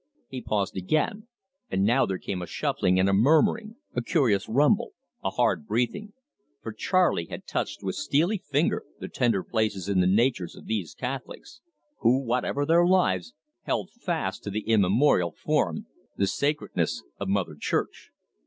He paused again, and now there came a shuffling and a murmuring, a curious rumble, a hard breathing, for Charley had touched with steely finger the tender places in the natures of these Catholics, who, whatever their lives, held fast to the immemorial form, the sacredness of Mother Church.